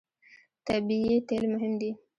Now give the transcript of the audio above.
طبیعي تېل مهم دي.